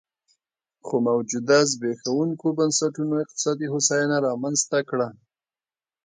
خو موجوده زبېښونکو بنسټونو اقتصادي هوساینه رامنځته کړه